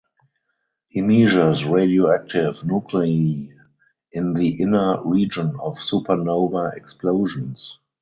He measures radioactive nuclei in the inner region of supernova explosions.